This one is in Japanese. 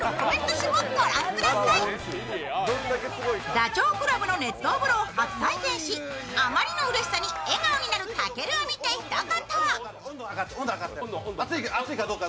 ダチョウ倶楽部の熱湯風呂を初体験し、あまりのうれしさに笑顔になるたけるを見てひと言。